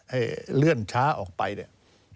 ให้เลื่อนช้าออกไปเนี่ย